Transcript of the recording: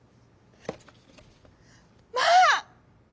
「まあ！」。